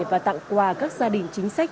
và tặng quà các gia đình chính sách